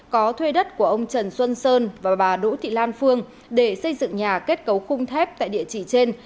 có thuê đất của ông trần xuân sơn và bà đỗ thị lan phương để xây dựng nhà kết cấu khung thép tại địa chỉ trên